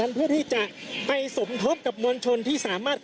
คุณภูริพัฒน์บุญนิน